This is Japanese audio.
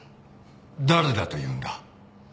誰だというんだ？